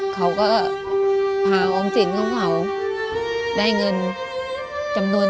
เขาก็พาอมสิทธิ์ของเขาได้เงินจำนวน๗๐๐๐บาท